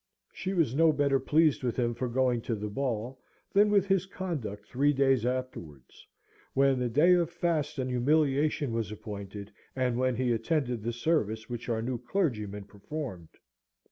She was no better pleased with him for going to the ball, than with his conduct three days afterwards, when the day of fast and humiliation was appointed, and when he attended the service which our new clergyman performed.